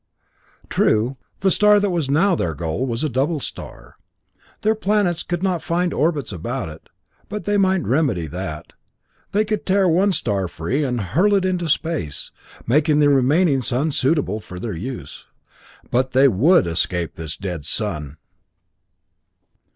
True, the star that was now their goal was a double star; their planets could not find orbits about it, but they might remedy that they could tear one star free and hurl it into space, making the remaining sun suitable for their use. But they would escape this dead sun.